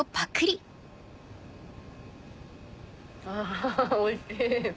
あおいしい。